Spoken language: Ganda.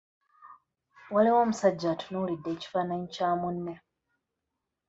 Waliwo omusajja atunuulidde ekifaananyi kya munne.